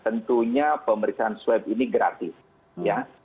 tentunya pemeriksaan swab ini gratis ya